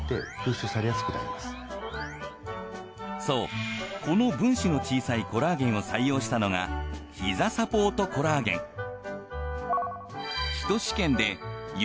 そうこの分子の小さいコラーゲンを採用したのがひざサポートコラーゲン。